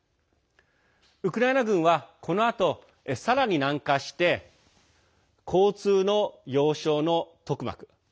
ウクライナ軍は、このあとさらに南下して交通の要衝のトクマク